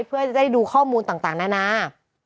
เพื่อจะได้ดูข้อมูลต่างนานา